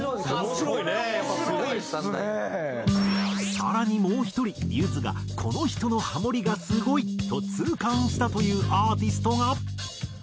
更にもう１人ゆずがこの人のハモリがすごいと痛感したというアーティストが。